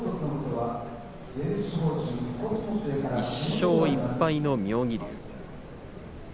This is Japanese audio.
１勝１敗の妙義龍。